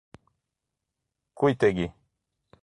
Cuitegi